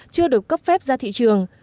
chưa được cấp phép ra thị trường